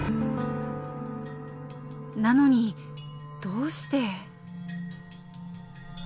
なのにどうして。